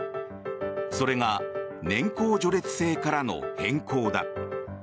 それが年功序列制からの変更だ。